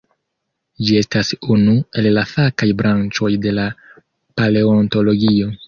Ĝi estas unu el la fakaj branĉoj de la paleontologio.